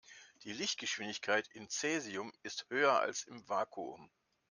Die Lichtgeschwindigkeit in Cäsium ist höher als im Vakuum.